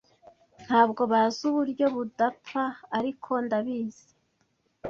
(Ntabwo bazi uburyo budapfa, ariko ndabizi.)